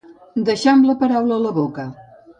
Deixar amb la paraula a la boca.